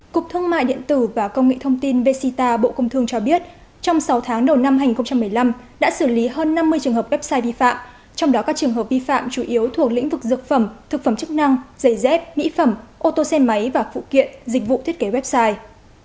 cục thương mại điện tử và công nghệ thông tin vcita bộ công thương cho biết trong sáu tháng đầu năm hai nghìn một mươi năm đã xử lý hơn năm mươi trường hợp website vi phạm trong đó các trường hợp vi phạm chủ yếu thuộc lĩnh vực dược phẩm thực phẩm chức năng giày dép mỹ phẩm ô tô xe máy và phụ kiện dịch vụ thiết kế website